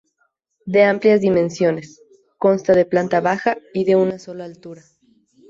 De amplias dimensiones, consta de planta baja y de una sola altura.